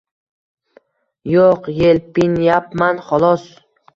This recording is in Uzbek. Yo‘q, yelpinyapman xolos.